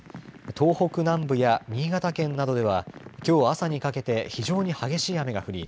東北南部や新潟県などではきょう朝にかけて非常に激しい雨が降り